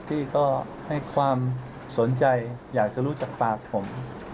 ที่ก็ให้ความสนใจอยากจะรู้จากปากผม